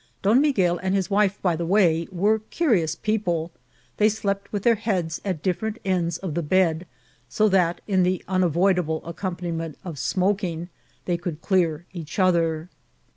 Don Miguel and his wife, by the way, w^e curious people; they slept with their heads at different ends of the bed, so that, in the unavoidable accompaniment of smoking, they could clear each other.